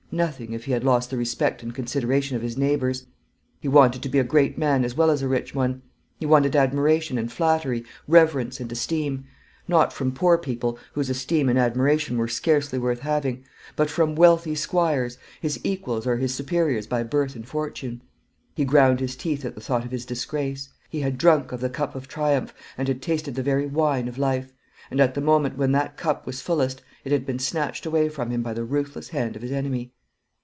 Nothing, if he had lost the respect and consideration of his neighbours. He wanted to be a great man as well as a rich one. He wanted admiration and flattery, reverence and esteem; not from poor people, whose esteem and admiration were scarcely worth having, but from wealthy squires, his equals or his superiors by birth and fortune. He ground his teeth at the thought of his disgrace. He had drunk of the cup of triumph, and had tasted the very wine of life; and at the moment when that cup was fullest, it had been snatched away from him by the ruthless hand of his enemy.